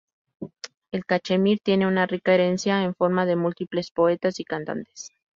El cachemir tiene una rica herencia en forma de múltiples poetas y cantantes.